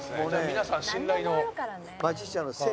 皆さん信頼の。